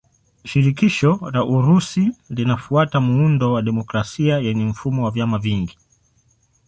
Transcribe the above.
Shirikisho la Urusi linafuata muundo wa demokrasia yenye mfumo wa vyama vingi.